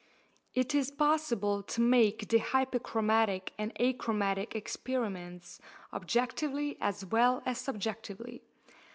It is possible to make the hyperchromatic and achromatic experiments objectively as well as subjectively.